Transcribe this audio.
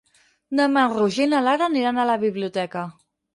Demà en Roger i na Lara aniran a la biblioteca.